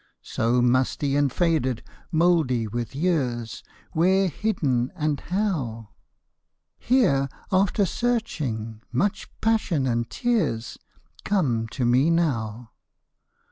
So musty and faded, mouldy with years. Where hidden and how ! MY LADY'S SLIPPER 9 Here, after searching, much passion and tears, Come to me now.